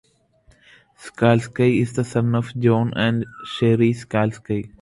Skalski is the son of John and Sherri Skalski.